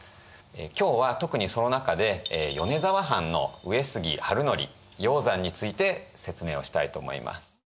今日は特にその中で米沢藩の上杉治憲鷹山について説明をしたいと思います。